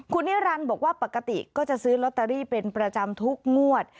คุณนิรันดิ์บอกว่าปกติก็จะซื้อลอตเตอรี่เป็นประจำทุกงวด